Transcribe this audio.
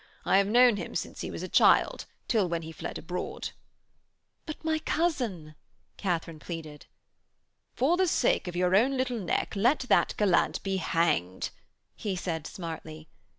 I have known him since he was a child till when he fled abroad.' 'But my cousin!' Katharine pleaded. 'For the sake of your own little neck, let that gallant be hanged,' he said smartly.